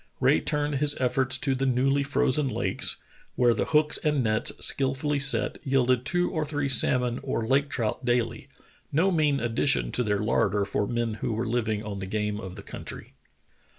Rae turned his efforts to the newly frozen lakes, where the hooks and nets, skilfully set; jnelded two or three salmon or lake trout daily— no mean addition to their larder for men who were living on the game of the countr}^.